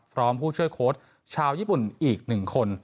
ผู้ช่วยโค้ชชาวญี่ปุ่นอีก๑คน